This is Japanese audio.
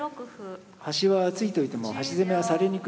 端は突いといても端攻めはされにくいと。